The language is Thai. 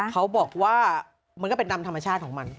เขาบอกว่ามันก็เป็นดำธรรมชาติของมัน